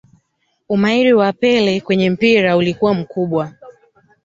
Umahiri waa pele kwenye mpira ulikuwa mkubwa